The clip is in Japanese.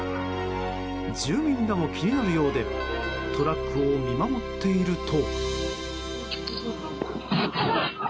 住民らも気になるようでトラックを見守っていると。